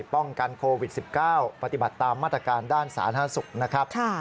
ป้องกันโควิด๑๙ปฏิบัติตามมาตรการด้านสาธารณสุขนะครับ